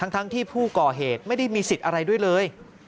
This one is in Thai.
ทั้งที่ผู้ก่อเหตุไม่ได้มีสิทธิ์อะไรด้วยเลย